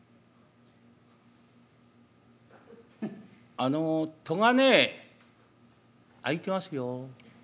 「あの戸がねえ開いてますよ。